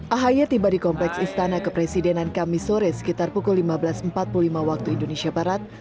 ahaya tiba di kompleks istana kepresidenan kami sore sekitar pukul lima belas empat puluh lima waktu indonesia barat